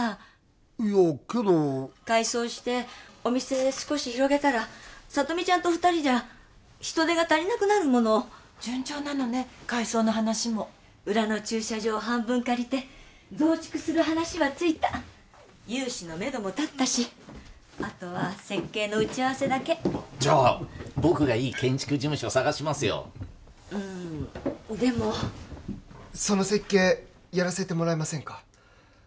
いやけど改装してお店少し広げたら聡美ちゃんと２人じゃ人手が足りなくなるもの順調なのね改装の話も裏の駐車場半分借りて増築する話はついた融資のめども立ったしあとは設計の打ち合わせだけじゃあ僕がいい建築事務所探しますようんでもその設計やらせてもらえませんか？